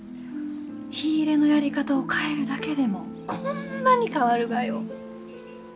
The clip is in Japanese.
火入れのやり方を変えるだけでもこんなに変わるがよ。